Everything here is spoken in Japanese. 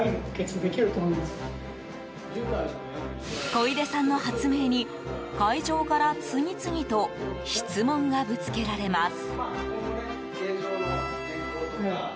小出さんの発明に会場から次々と質問がぶつけられます。